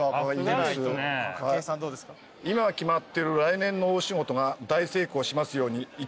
「今決まってる来年の大仕事が大成功しますように１」